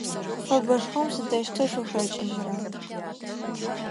Фэбэшхом сыдэущтэу шъухэкIыжьрэ?